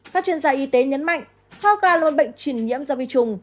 các chuyên gia y tế nhấn mạnh hoa gà là một bệnh trình nhiễm do vi trùng